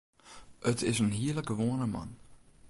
It is in hiele gewoane man.